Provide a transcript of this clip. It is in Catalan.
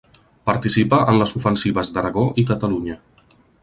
Participa en les Ofensives d'Aragó i Catalunya.